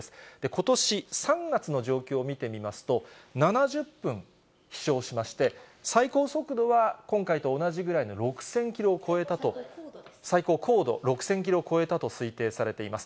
ことし３月の状況を見てみますと、７０分飛しょうしまして、最高速度は今回と同じくらいの６０００キロを超えたと、最高高度、６０００キロを超えたと推定されています。